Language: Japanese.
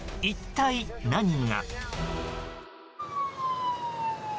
一体何が。